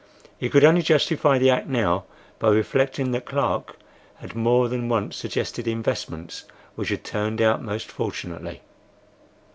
He could only justify the act now by reflecting that Clark had more than once suggested investments which had turned out most fortunately.